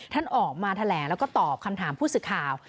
ท่านออกมาแถลงแล้วก็ตอบคำถามผู้สื่อข่าว